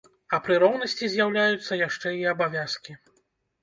А пры роўнасці з'яўляюцца яшчэ і абавязкі.